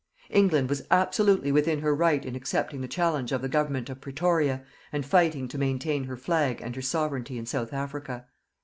England was absolutely within her right in accepting the challenge of the Government of Pretoria, and fighting to maintain her flag and her Sovereignty in South Africa.